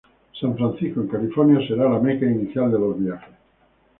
San Francisco, en California, será la meca inicial de los viajes.